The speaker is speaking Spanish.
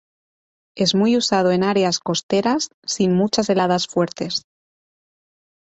Es muy usado en áreas costeras sin muchas heladas fuertes.